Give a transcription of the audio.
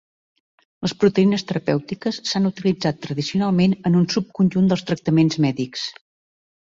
Les proteïnes terapèutiques s'han utilitzat tradicionalment en un subconjunt dels tractaments mèdics.